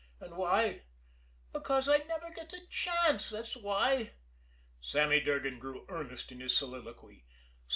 And why? Because I never get a chance that's why!" Sammy Durgan grew earnest in his soliloquy.